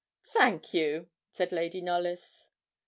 'Thank you,' said Lady Knollys.